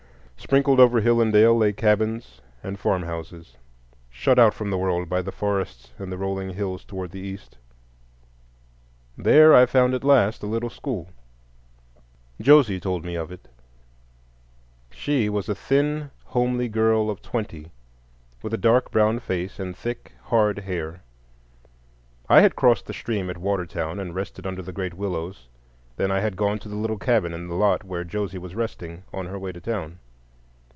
Sprinkled over hill and dale lay cabins and farmhouses, shut out from the world by the forests and the rolling hills toward the east. There I found at last a little school. Josie told me of it; she was a thin, homely girl of twenty, with a dark brown face and thick, hard hair. I had crossed the stream at Watertown, and rested under the great willows; then I had gone to the little cabin in the lot where Josie was resting on her way to town.